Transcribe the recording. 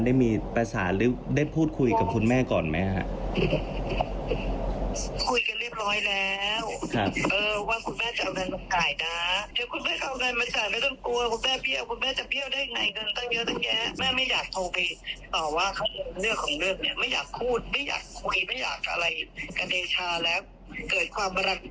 ได้มีประสานหรือได้พูดคุยกับคุณแม่ก่อนไหมครับ